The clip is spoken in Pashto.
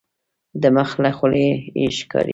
د مخ له خولیې یې ښکاري.